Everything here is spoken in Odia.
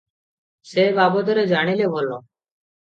ସେ ବାବଦରେ ଜାଣିଲେ ଭଲ ।